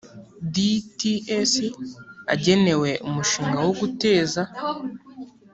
dts agenewe umushinga wo guteza